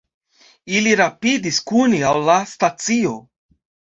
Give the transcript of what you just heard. Ili rapidis kune al la stacio.